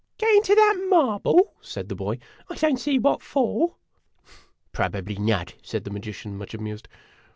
" Get into that marble !" said the boy. " I don't see what for." " Probably not," said the magician, much amused.